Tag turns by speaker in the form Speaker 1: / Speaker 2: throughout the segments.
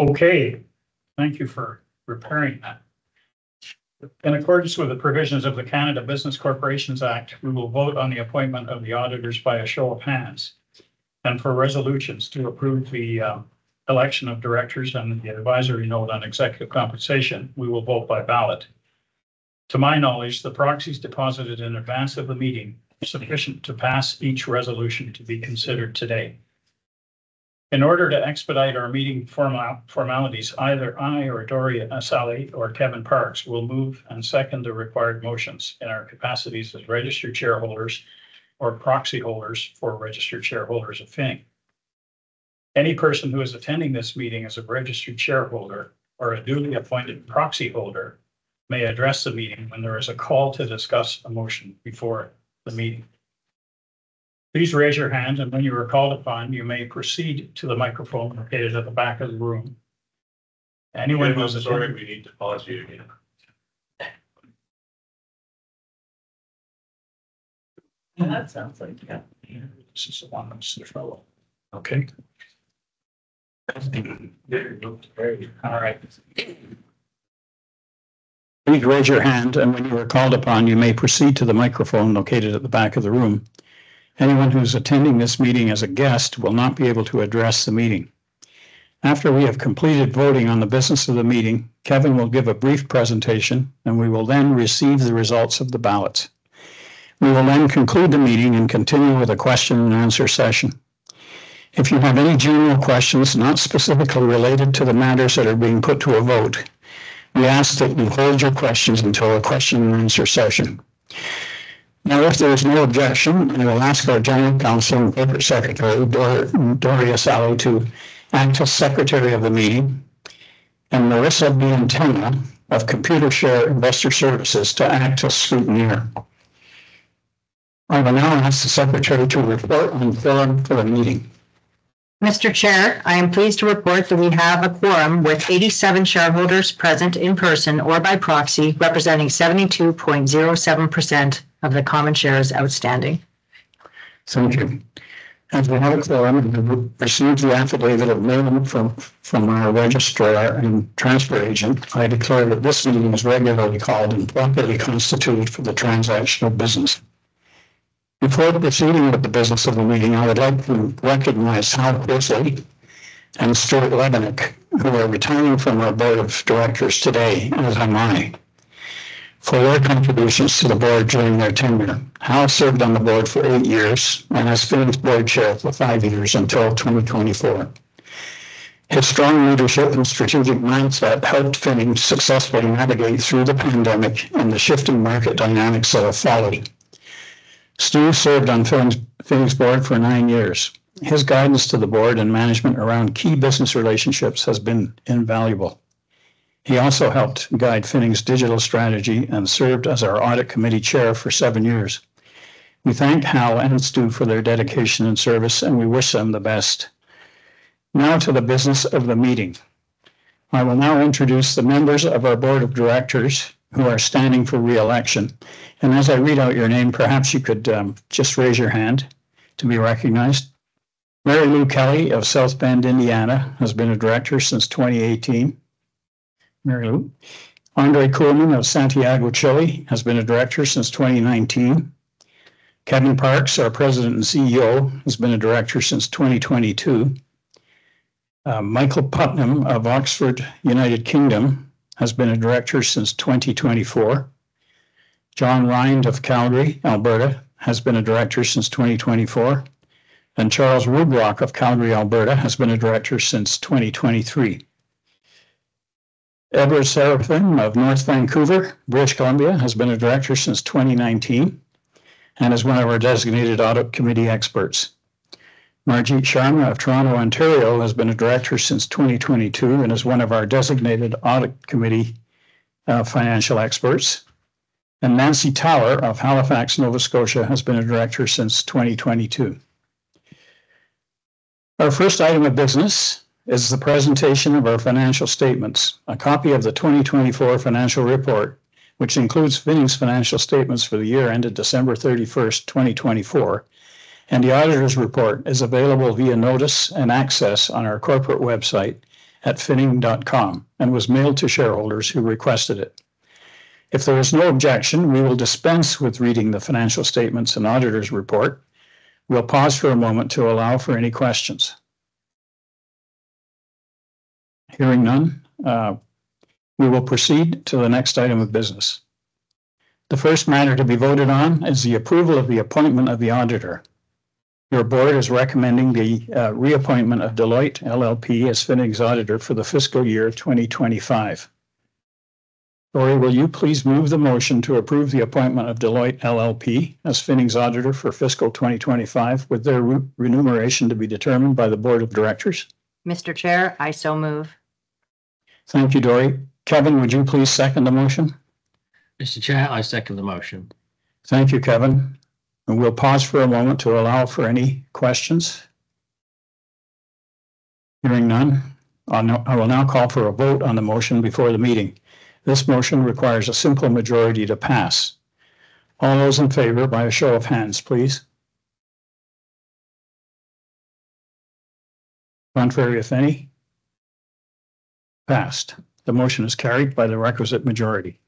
Speaker 1: Okay. Thank you for repairing that. In accordance with the provisions of the Canada Business Corporations Act, we will vote on the appointment of the auditors by a show of hands, and for resolutions to approve the election of directors and the advisory vote on executive compensation, we will vote by ballot. To my knowledge, the proxies deposited in advance of the meeting are sufficient to pass each resolution to be considered today. In order to expedite our meeting formalities, either I or Dori Assaly or Kevin Parkes will move and second the required motions in our capacities as registered shareholders or proxy holders for registered shareholders of Finning. Any person who is attending this meeting as a registered shareholder or a duly appointed proxy holder may address the meeting when there is a call to discuss a motion before the meeting. Please raise your hand, and when you are called upon, you may proceed to the microphone located at the back of the room. Anyone who is.
Speaker 2: Sorry, we need to pause you again.
Speaker 1: That sounds like.
Speaker 2: Okay.
Speaker 1: Please raise your hand, and when you are called upon, you may proceed to the microphone located at the back of the room. Anyone who is attending this meeting as a guest will not be able to address the meeting. After we have completed voting on the business of the meeting, Kevin will give a brief presentation, and we will then receive the results of the ballots. We will then conclude the meeting and continue with a question-and-answer session. If you have any general questions not specifically related to the matters that are being put to a vote, we ask that you hold your questions until a question-and-answer session. Now, if there is no objection, I will ask our General Counsel and Corporate Secretary, Dori Assaly, to act as secretary of the meeting, and Marisa Biondo of Computershare Investor Services to act as scrutineer. I will now ask the secretary to report on the quorum for the meeting.
Speaker 3: Mr. Chair, I am pleased to report that we have a quorum with 87 shareholders present in person or by proxy representing 72.07% of the common shares outstanding.
Speaker 1: Thank you. As we have a quorum and have received the affidavit of notice from our registrar and transfer agent, I declare that this meeting is regularly called and properly constituted for the transaction of business. Before proceeding with the business of the meeting, I would like to recognize Hal Kvisle and Stuart Levenick, who are retiring from our board of directors today, as am I, for their contributions to the board during their tenure. Hal served on the board for eight years and has been Board Chair for five years until 2024. His strong leadership and strategic mindset helped Finning successfully navigate through the pandemic and the shifting market dynamics that have followed. Stuart served on Finning's board for nine years. His guidance to the board and management around key business relationships has been invaluable. He also helped guide Finning's digital strategy and served as our audit committee chair for seven years. We thank Hal and Stu for their dedication and service, and we wish them the best. Now to the business of the meeting. I will now introduce the members of our board of directors who are standing for reelection. And as I read out your name, perhaps you could just raise your hand to be recognized. Mary Lou Kelley of South Bend, Indiana, has been a director since 2018. Mary Lou. Andrés Kühlmann of Santiago, Chile, has been a Director since 2019. Kevin Parkes, our President and CEO, has been a Director since 2022. Michael Putnam of Oxford, United Kingdom, has been a Director since 2024. John Reid of Calgary, Alberta, has been a Director since 2024. And Charles Woodburn of Calgary, Alberta, has been a Director since 2023. Edward Seraphim of North Vancouver, British Columbia, has been a director since 2019 and is one of our designated audit committee experts. Manjit Sharma of Toronto, Ontario, has been a director since 2022 and is one of our designated audit committee financial experts. Nancy Tower of Halifax, Nova Scotia, has been a director since 2022. Our first item of business is the presentation of our financial statements. A copy of the 2024 financial report, which includes Finning's financial statements for the year ended December 31st, 2024, and the auditor's report, is available via notice and access on our corporate website at finning.com and was mailed to shareholders who requested it. If there is no objection, we will dispense with reading the financial statements and auditor's report. We'll pause for a moment to allow for any questions. Hearing none, we will proceed to the next item of business. The first matter to be voted on is the approval of the appointment of the auditor. Your board is recommending the reappointment of Deloitte LLP as Finning's auditor for the fiscal year 2025. Dori, will you please move the motion to approve the appointment of Deloitte LLP as Finning's auditor for fiscal 2025, with their remuneration to be determined by the board of directors? Mr. Chair, I so move. Thank you, Dori. Kevin, would you please second the motion?
Speaker 4: Mr. Chair, I second the motion.
Speaker 1: Thank you, Kevin. And we'll pause for a moment to allow for any questions. Hearing none, I will now call for a vote on the motion before the meeting. This motion requires a simple majority to pass. All those in favor, by a show of hands, please. Contrary if any? Passed. The motion is carried by the requisite majority.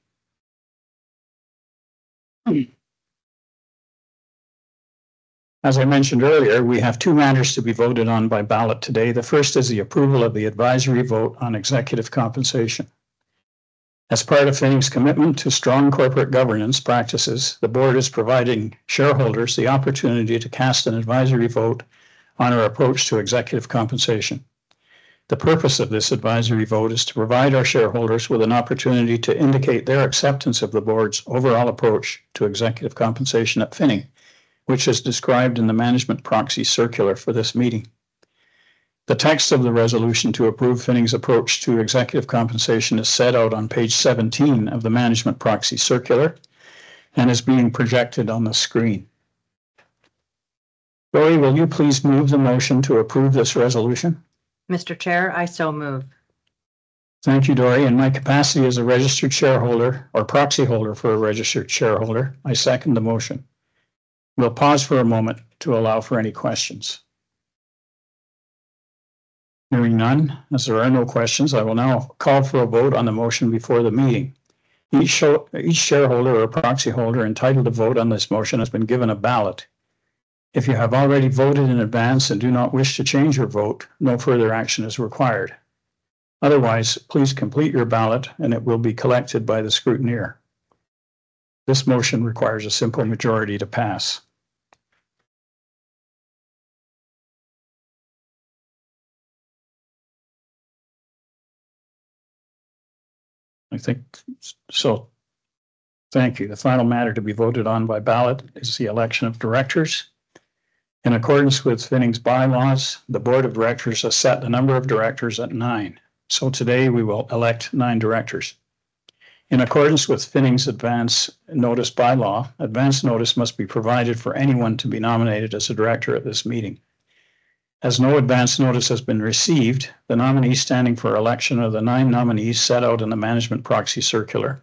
Speaker 1: As I mentioned earlier, we have two matters to be voted on by ballot today. The first is the approval of the advisory vote on executive compensation. As part of Finning's commitment to strong corporate governance practices, the board is providing shareholders the opportunity to cast an advisory vote on our approach to executive compensation. The purpose of this advisory vote is to provide our shareholders with an opportunity to indicate their acceptance of the board's overall approach to executive compensation at Finning, which is described in the Management Proxy Circular for this meeting. The text of the resolution to approve Finning's approach to executive compensation is set out on page 17 of the Management Proxy Circular and is being projected on the screen. Dori, will you please move the motion to approve this resolution?
Speaker 3: Mr. Chair, I so move.
Speaker 1: Thank you, Dori. In my capacity as a registered shareholder or proxy holder for a registered shareholder, I second the motion. We'll pause for a moment to allow for any questions. Hearing none, as there are no questions, I will now call for a vote on the motion before the meeting. Each shareholder or proxy holder entitled to vote on this motion has been given a ballot. If you have already voted in advance and do not wish to change your vote, no further action is required. Otherwise, please complete your ballot, and it will be collected by the scrutineer. This motion requires a simple majority to pass. I think so. Thank you. The final matter to be voted on by ballot is the election of directors. In accordance with Finning's bylaws, the board of directors has set the number of directors at nine. Today, we will elect nine directors. In accordance with Finning's advance notice bylaw, advance notice must be provided for anyone to be nominated as a director at this meeting. As no advance notice has been received, the nominees standing for election are the nine nominees set out in the Management Proxy Circular,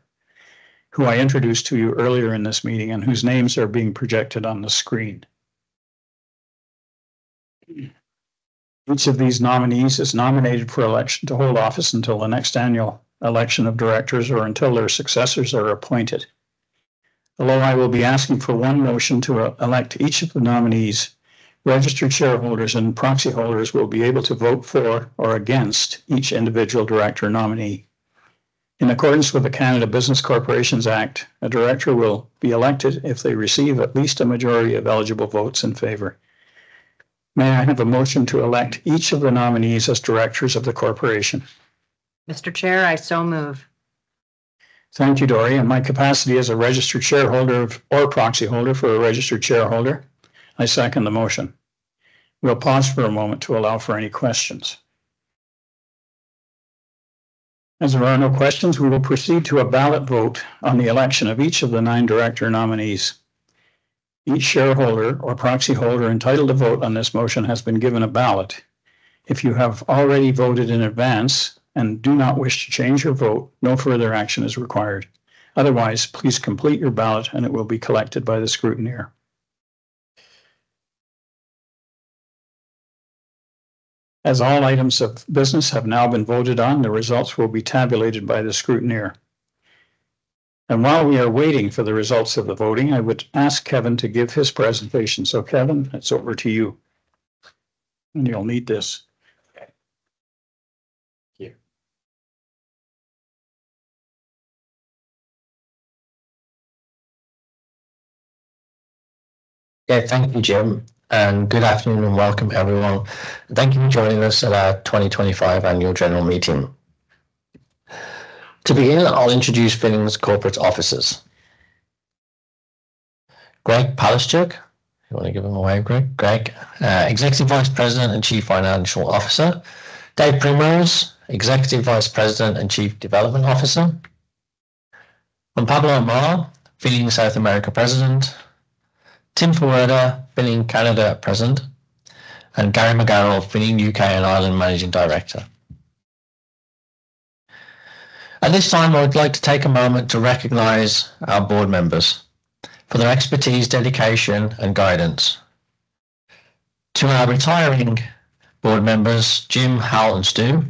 Speaker 1: who I introduced to you earlier in this meeting and whose names are being projected on the screen. Each of these nominees is nominated for election to hold office until the next annual election of directors or until their successors are appointed. Although I will be asking for one motion to elect each of the nominees, registered shareholders and proxy holders will be able to vote for or against each individual director nominee. In accordance with the Canada Business Corporations Act, a director will be elected if they receive at least a majority of eligible votes in favor. May I have a motion to elect each of the nominees as directors of the corporation?
Speaker 3: Mr. Chair, I so move.
Speaker 1: Thank you, Dori. In my capacity as a registered shareholder or proxy holder for a registered shareholder, I second the motion. We'll pause for a moment to allow for any questions. As there are no questions, we will proceed to a ballot vote on the election of each of the nine director nominees. Each shareholder or proxy holder entitled to vote on this motion has been given a ballot. If you have already voted in advance and do not wish to change your vote, no further action is required. Otherwise, please complete your ballot, and it will be collected by the scrutineer. As all items of business have now been voted on, the results will be tabulated by the scrutineer. And while we are waiting for the results of the voting, I would ask Kevin to give his presentation. So Kevin, it's over to you. And you'll need this.
Speaker 4: Okay. Thank you, Jim. And good afternoon and welcome, everyone. Thank you for joining us at our 2025 Annual General Meeting. To begin, I'll introduce Finning's corporate officers. Greg Palaschuk, you want to give him a wave, Greg? Greg, Executive Vice President and Chief Financial Officer. Dave Primrose, Executive Vice President and Chief Development Officer. Juan Pablo Amar, Finning South America President. Tim Ferwerda, Finning Canada President. And Gary McDonald, Finning UK and Ireland Managing Director. At this time, I would like to take a moment to recognize our board members for their expertise, dedication, and guidance. To our retiring board members, Jim, Hal, and Stu,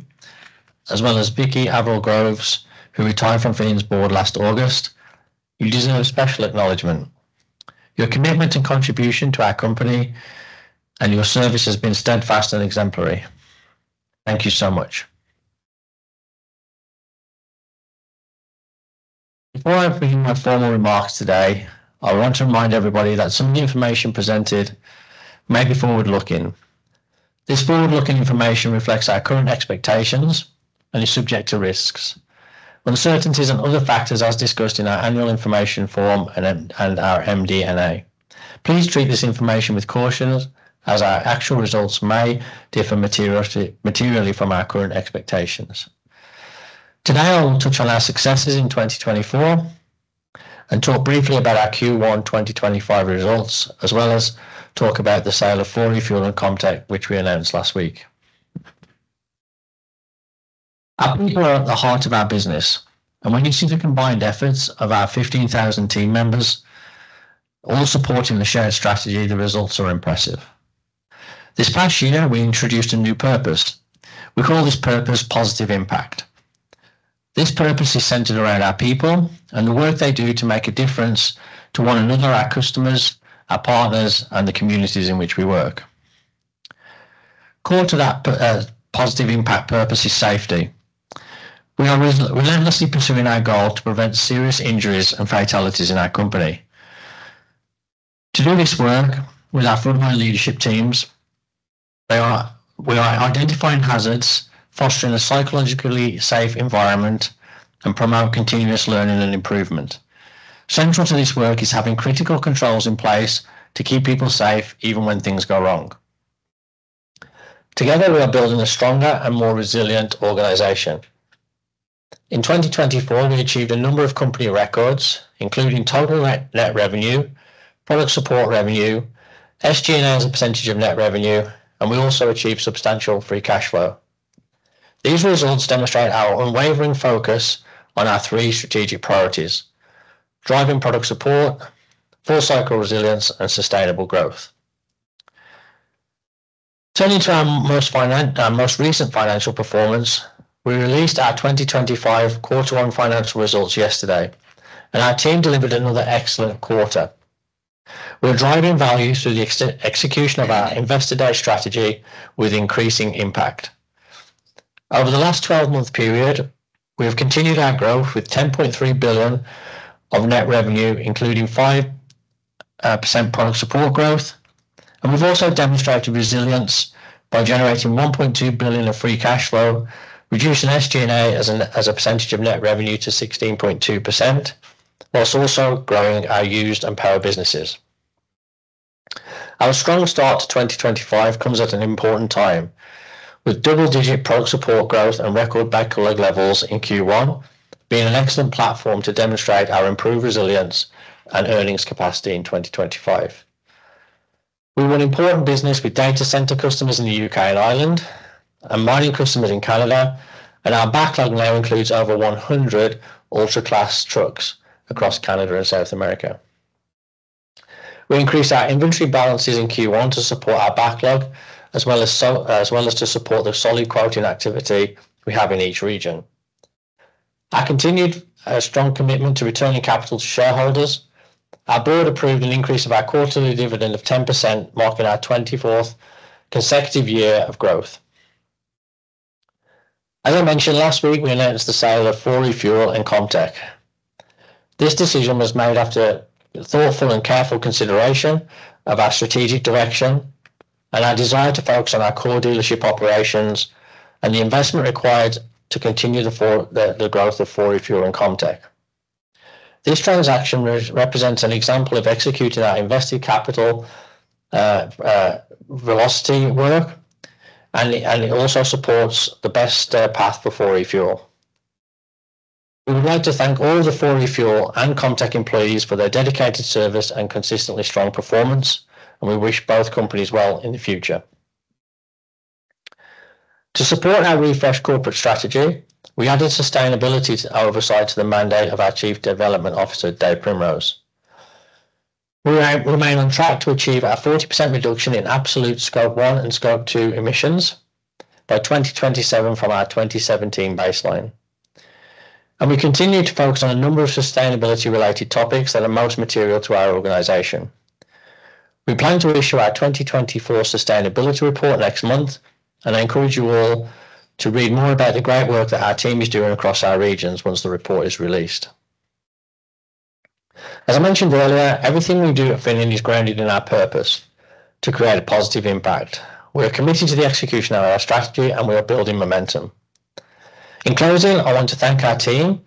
Speaker 4: as well as Vicki Avril-Groves, who retired from Finning's board last August, you deserve special acknowledgement. Your commitment and contribution to our company and your service has been steadfast and exemplary. Thank you so much. Before I bring my formal remarks today, I want to remind everybody that some of the information presented may be forward-looking. This forward-looking information reflects our current expectations and is subject to risks, uncertainties, and other factors as discussed in our Annual Information Form and our MD&A. Please treat this information with caution as our actual results may differ materially from our current expectations. Today, I will touch on our successes in 2024 and talk briefly about our Q1 2025 results, as well as talk about the sale of 4Refuel and ComTech, which we announced last week. Our people are at the heart of our business, and when you see the combined efforts of our 15,000 team members all supporting the shared strategy, the results are impressive. This past year, we introduced a new purpose. We call this purpose positive impact. This purpose is centered around our people and the work they do to make a difference to one another, our customers, our partners, and the communities in which we work. Core to that positive impact purpose is safety. We are relentlessly pursuing our goal to prevent serious injuries and fatalities in our company. To do this work with our frontline leadership teams, we are identifying hazards, fostering a psychologically safe environment, and promoting continuous learning and improvement. Central to this work is having critical controls in place to keep people safe even when things go wrong. Together, we are building a stronger and more resilient organization. In 2024, we achieved a number of company records, including total net revenue, product support revenue, SG&A as a percentage of net revenue, and we also achieved substantial free cash flow. These results demonstrate our unwavering focus on our three strategic priorities: driving product support, full-cycle resilience, and sustainable growth. Turning to our most recent financial performance, we released our 2025 quarter-one financial results yesterday, and our team delivered another excellent quarter. We're driving value through the execution of our investor-day strategy with increasing impact. Over the last 12-month period, we have continued our growth with 10.3 billion of net revenue, including 5% product support growth, and we've also demonstrated resilience by generating 1.2 billion of free cash flow, reducing SG&A as a percentage of net revenue to 16.2%, while also growing our used and power businesses. Our strong start to 2025 comes at an important time, with double-digit product support growth and record backlog levels in Q1 being an excellent platform to demonstrate our improved resilience and earnings capacity in 2025. We run important business with data center customers in the U.K. and Ireland and mining customers in Canada, and our backlog now includes over 100 ultra-class trucks across Canada and South America. We increased our inventory balances in Q1 to support our backlog, as well as to support the solid quality and activity we have in each region. Our continued strong commitment to returning capital to shareholders. Our board approved an increase of our quarterly dividend of 10%, marking our 24th consecutive year of growth. As I mentioned last week, we announced the sale of 4Refuel and ComTech. This decision was made after thoughtful and careful consideration of our strategic direction and our desire to focus on our core dealership operations and the investment required to continue the growth of 4Refuel and ComTech. This transaction represents an example of executing our investor capital velocity work, and it also supports the best path for 4Refuel. We would like to thank all the 4Refuel and ComTech employees for their dedicated service and consistently strong performance, and we wish both companies well in the future. To support our refreshed corporate strategy, we added sustainability oversight to the mandate of our Chief Development Officer, Dave Primrose. We remain on track to achieve a 40% reduction in absolute Scope 1 and Scope 2 emissions by 2027 from our 2017 baseline, and we continue to focus on a number of sustainability-related topics that are most material to our organization. We plan to issue our 2024 sustainability report next month, and I encourage you all to read more about the great work that our team is doing across our regions once the report is released. As I mentioned earlier, everything we do at Finning is grounded in our purpose to create a positive impact. We're committed to the execution of our strategy, and we are building momentum. In closing, I want to thank our team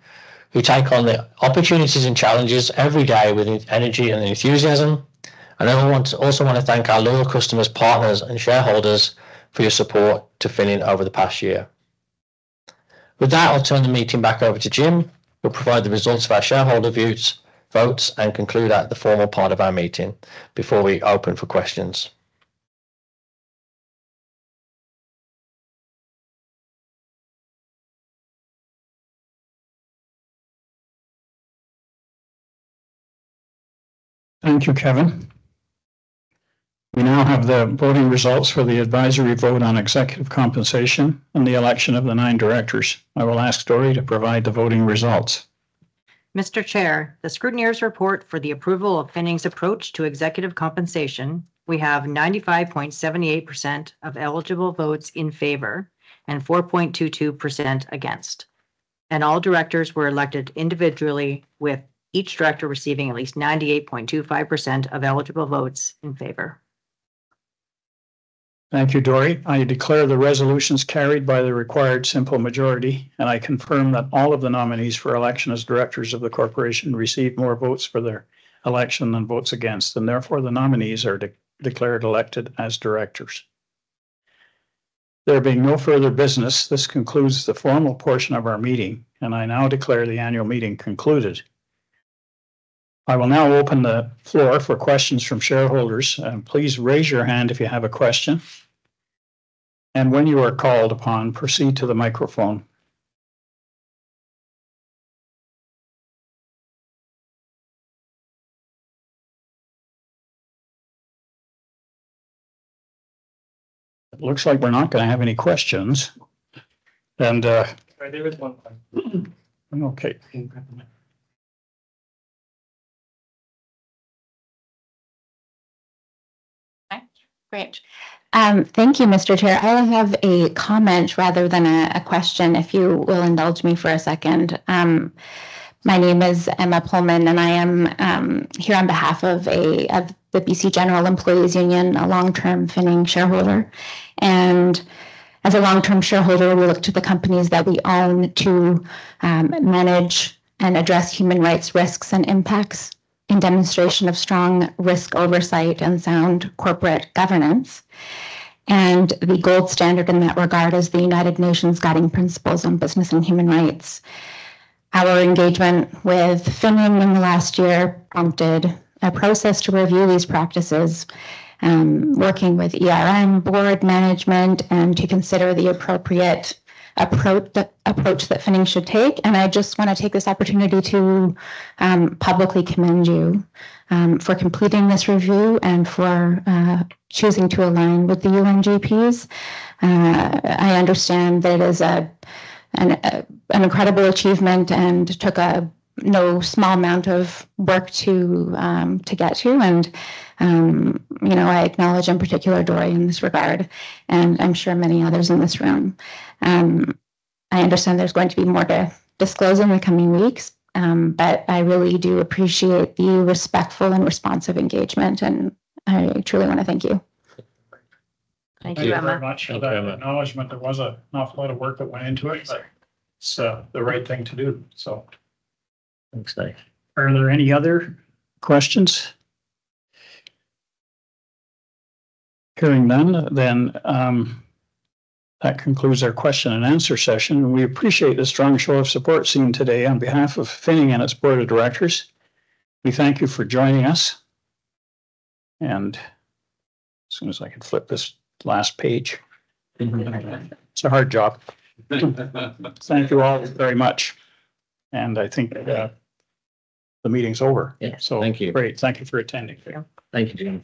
Speaker 4: who take on the opportunities and challenges every day with energy and enthusiasm. And I also want to thank our loyal customers, partners, and shareholders for your support to Finning over the past year. With that, I'll turn the meeting back over to Jim. We'll provide the results of our shareholder votes and conclude the formal part of our meeting before we open for questions.
Speaker 1: Thank you, Kevin. We now have the voting results for the advisory vote on executive compensation and the election of the nine directors. I will ask Dori to provide the voting results.
Speaker 3: Mr. Chair, the scrutineer's report for the approval of Finning's approach to executive compensation. We have 95.78% of eligible votes in favor and 4.22% against, and all directors were elected individually, with each director receiving at least 98.25% of eligible votes in favor.
Speaker 1: Thank you, Dori. I declare the resolutions carried by the required simple majority, and I confirm that all of the nominees for election as directors of the corporation received more votes for their election than votes against. And therefore, the nominees are declared elected as directors. There being no further business, this concludes the formal portion of our meeting, and I now declare the annual meeting concluded. I will now open the floor for questions from shareholders. Please raise your hand if you have a question. And when you are called upon, proceed to the microphone. It looks like we're not going to have any questions. And.
Speaker 2: There is one question.
Speaker 1: Okay.
Speaker 5: Okay. Great. Thank you, Mr. Chair. I only have a comment rather than a question, if you will indulge me for a second. My name is Emma Pullman, and I am here on behalf of the BC General Employees' Union, a long-term Finning shareholder, and as a long-term shareholder, we look to the companies that we own to manage and address human rights risks and impacts in demonstration of strong risk oversight and sound corporate governance, and the gold standard in that regard is the United Nations Guiding Principles on Business and Human Rights. Our engagement with Finning in the last year prompted a process to review these practices, working with board management and to consider the appropriate approach that Finning should take, and I just want to take this opportunity to publicly commend you for completing this review and for choosing to align with the UNGPs. I understand that it is an incredible achievement and took a small amount of work to get to, and I acknowledge in particular Dori in this regard, and I'm sure many others in this room. I understand there's going to be more to disclose in the coming weeks, but I really do appreciate the respectful and responsive engagement, and I truly want to thank you.
Speaker 3: Thank you, Emma.
Speaker 2: Thank you very much. I'll give you an acknowledgement. There was an awful lot of work that went into it, but it's the right thing to do, so.
Speaker 1: Thanks, Dave. Are there any other questions? Hearing none, then that concludes our question-and-answer session. We appreciate the strong show of support seen today on behalf of Finning and its Board of Directors. We thank you for joining us. And as soon as I can flip this last page, it's a hard job. Thank you all very much. And I think the meeting's over.
Speaker 4: Yeah. Thank you.
Speaker 1: Great. Thank you for attending.
Speaker 4: Thank you.